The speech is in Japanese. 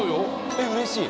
えっうれしい。